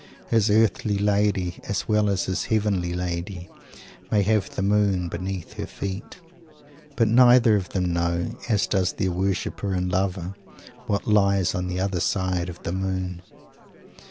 His Earthly Lady, as well as his Heavenly Lady, may have the moon beneath her feet. But neither of them know, as does their worshiper and lover, _what lies on the other side of the moon.